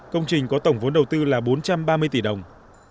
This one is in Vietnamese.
công trình có tổng vốn đầu tư là bốn trăm ba mươi tỷ đồng